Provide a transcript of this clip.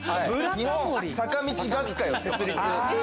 日本坂道学会を設立。